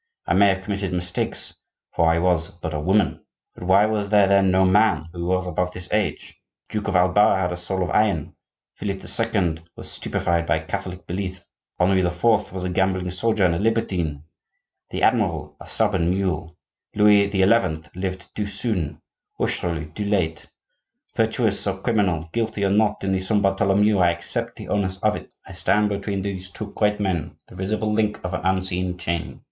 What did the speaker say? I may have committed mistakes, for I was but a woman. But why was there then no man who rose above his age? The Duke of Alba had a soul of iron; Philip II. was stupefied by Catholic belief; Henri IV. was a gambling soldier and a libertine; the Admiral, a stubborn mule. Louis XI. lived too soon, Richelieu too late. Virtuous or criminal, guilty or not in the Saint Bartholomew, I accept the onus of it; I stand between those two great men,—the visible link of an unseen chain.